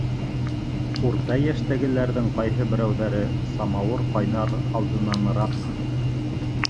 Урта йәштәгеләрҙең ҡайһы берәүҙәре самауыр ҡайнар алдынаныраҡ: